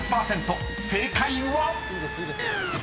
［正解は⁉］